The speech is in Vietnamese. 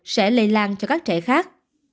sẽ lây lan cho các trẻ khác